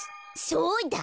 そうだ！